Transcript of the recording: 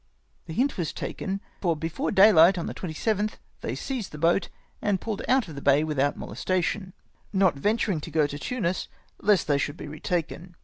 The Imit was taken, for before dayhght on the 2Tth they seized the boat, and pulled out of the bay without molestation, not venturing to go to Tunis lest they should be retaken.